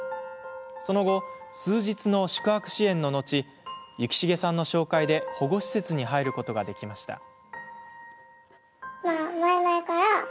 その後、数日の宿泊支援の後幸重さんの紹介で保護施設に入ることができました。